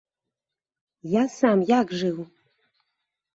Я сам як жыў?